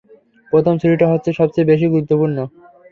প্রথম ছুরিটা হচ্ছে সবচেয়ে বেশি গুরুত্বপূর্ণ।